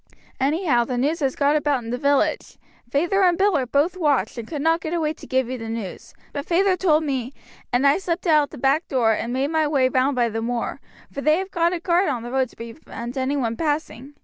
Anyhow, the news has got about in the village. Feyther and Bill are both watched, and could not get away to give you the news; but feyther told me, and I slipped out at the back door and made my way round by the moor, for they have got a guard on the road to prevent any one passing.